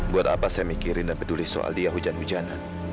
buat apa saya mikirin dan peduli soal dia hujan hujanan